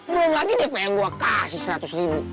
belum lagi dp yang gue kasih seratus ribu